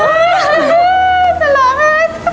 ตลอดมากทำ